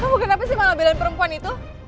kamu kenapa sih ngelobelin perempuan itu